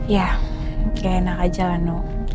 ya gak enak aja lah nus